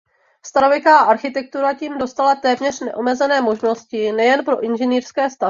Starověká architektura tím dostala téměř neomezené možnosti nejen pro inženýrské stavby.